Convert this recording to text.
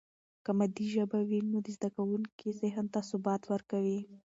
که مادي ژبه وي، نو د زده کوونکي ذهن ته ثبات ورکوي.